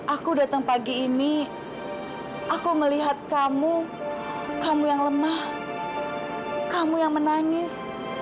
aku datang pagi ini aku melihat kamu kamu yang lemah kamu yang menangis